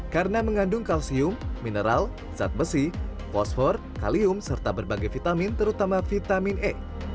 karena mengandung kalsium mineral zat besi fosfor kalium serta berbagai vitamin terutama vitamin e